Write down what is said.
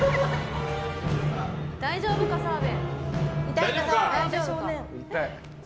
大丈夫か、澤部。